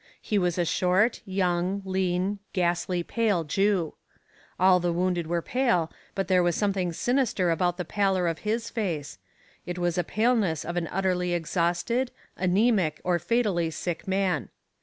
He was a short, young, lean, ghastly pale Jew. All the wounded were pale, but there was something sinister about the pallor of his face; it was a paleness of an utterly exhausted, anæmic or fatally sick man.